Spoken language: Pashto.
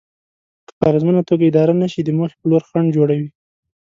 که په اغېزمنه توګه اداره نشي د موخې په لور خنډ جوړوي.